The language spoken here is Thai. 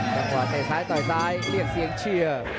จังหวะเตะซ้ายต่อยซ้ายเรียกเสียงเชียร์